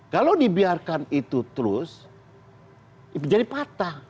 kalau dibiarkan itu terus jadi patah